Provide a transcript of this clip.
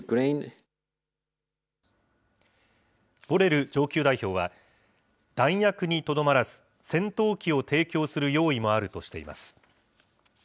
ボレル上級代表は、弾薬にとどまらず、戦闘機を提供する用意もあるとしています。